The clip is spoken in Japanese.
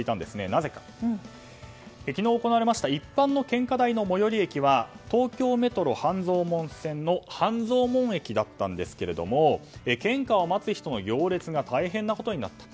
なぜかというと、昨日行われた一般の献花台の最寄り駅は東京メトロ半蔵門線の半蔵門駅だったんですが献花を待つ人の行列が大変なことになった。